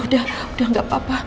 udah enggak apa apa